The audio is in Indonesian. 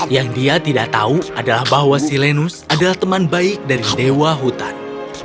yang dia tidak tahu adalah bahwa silenus adalah teman baik dari dewa hutan